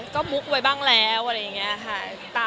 ก็มุกไว้บ้างแล้วอะไรอย่างนี้ค่ะ